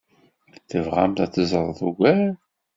Tebɣamt ad teẓreḍ ugar?